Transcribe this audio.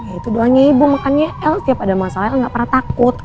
itu doanya ibu makanya el setiap ada masalah el gak pernah takut